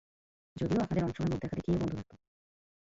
যদিও আপনাদের অনেক সময় মুখ দেখাদেখিও বন্ধ থাকত।